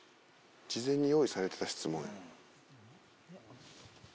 事前に用意されてた質問や。